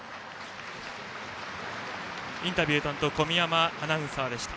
インタビュー担当小宮山アナウンサーでした。